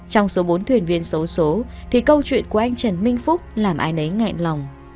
trong số bốn thuyền viên số số thì câu chuyện của anh trần minh phúc làm ai nấy ngại lòng